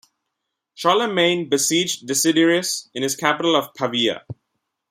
Charlemagne besieged Desiderius in his capital of Pavia.